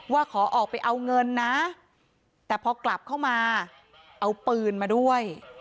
ขอออกไปเอาเงินนะแต่พอกลับเข้ามาเอาปืนมาด้วย